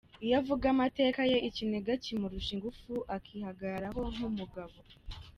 Iyo avuga amateka ye, ikiniga kimurusha ingufu akihagararaho nk’umugabo.